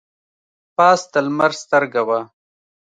پاس د لمر سترګه وه.